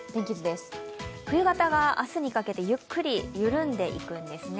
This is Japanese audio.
冬型が明日にかけて、ゆっくり緩んでいくんですね。